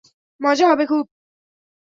মজা হবে খুব!